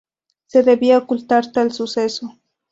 Se debía ocultar tal suceso.